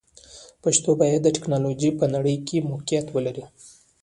پښتو باید د ټکنالوژۍ په نړۍ کې موقعیت ولري.